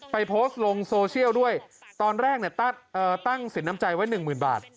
โพสต์ลงโซเชียลด้วยตอนแรกเนี่ยตั้งสินน้ำใจไว้หนึ่งหมื่นบาท